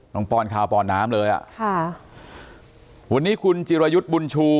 ป้อนข้าวป้อนน้ำเลยอ่ะค่ะวันนี้คุณจิรายุทธ์บุญชู